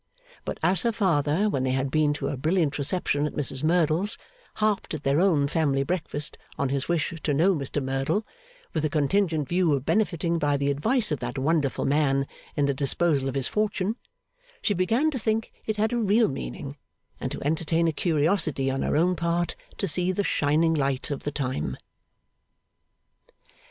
But as her father when they had been to a brilliant reception at Mrs Merdle's, harped at their own family breakfast table on his wish to know Mr Merdle, with the contingent view of benefiting by the advice of that wonderful man in the disposal of his fortune, she began to think it had a real meaning, and to entertain a curiosity on her own part to see the shining light of the time.